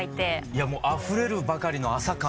いやもうあふれるばかりの朝感。